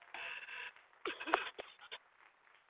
u u litafanya kura ya maoni ndani ya miezi miwili ili kujua hatma